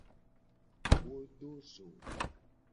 Wo do zo.